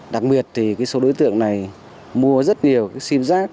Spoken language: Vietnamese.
đặc biệt thì số đối tượng này mua rất nhiều sim giác